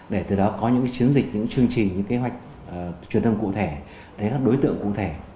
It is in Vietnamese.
để từ đó có những chiến dịch những chương trình những kế hoạch truyền thông cụ thể đến các đối tượng cụ thể